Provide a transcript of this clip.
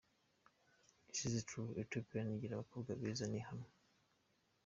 That is true!! Ethiopie igira abakobwa beza ni ihamwe.